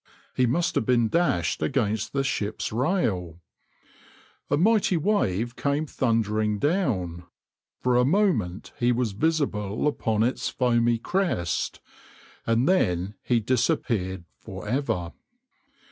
He must have been dashed against the ship's rail. A mighty wave came thundering down, for a moment he was visible upon its foamy crest, and then he disappeared for ever.